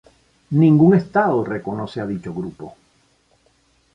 Ningún estado reconoce a dicho grupo.